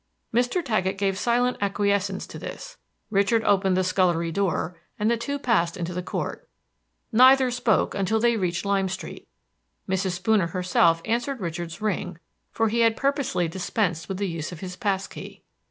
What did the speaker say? Mr. Taggett gave silent acquiescence to this. Richard opened the scullery door, and the two passed into the court. Neither spoke until they reached Lime Street. Mrs. Spooner herself answered Richard's ring, for he had purposely dispensed with the use of his pass key.